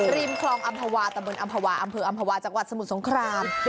ริมคลองอำภวกตะเบือนเอมอร์อำเภ๋ออำเผืออำภวาจังหวัดสมุทรสงคราม